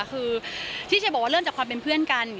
คือที่เชลบอกว่าเริ่มจากความเป็นเพื่อนกัน